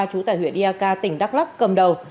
chú tài huyện iak tỉnh đắk lắk cầm đầu